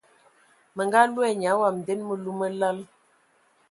Mə nga loe nya wam nden məlu mə lal.